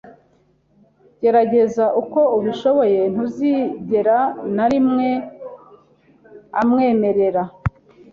Gerageza uko ubishoboye, ntuzigera na rimwe amwemerera